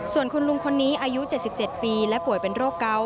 ส่วนคุณลุงคนนี้อายุ๗๗ปีและป่วยเป็นโรคเกาะ